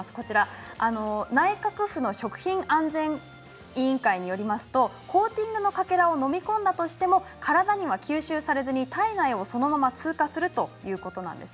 内閣府の食品安全委員会によりますとコーティングのかけらを飲み込んだとしても体には吸収されずに体内をそのまま通過するということです。